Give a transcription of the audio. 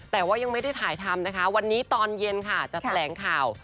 แต่ว่ายังไม่ได้ถ่ายทำนะคะวันนี้ตอนเย็นค่ะจะแถลงข่าว